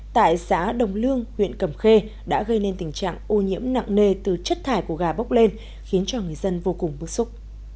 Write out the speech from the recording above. tại xã đồng lương huyện cầm khê đã gây nên tình trạng ô nhiễm nặng nề từ chất thải của gà bốc lên khiến cho người dân vô cùng bức xúc